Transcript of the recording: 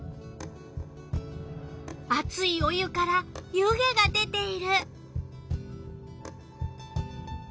あついお湯から湯気が出ている。